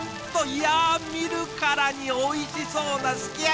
いや見るからにおいしそうなすき焼き！